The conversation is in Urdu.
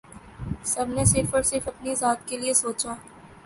سب نے صرف اور صرف اپنی ذات کے لیئے سوچا